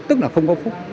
tức là không có phúc